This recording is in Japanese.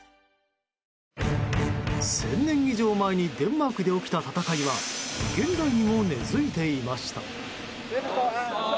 １０００年以上前にデンマークで起きた戦いは現代にも根付いていました。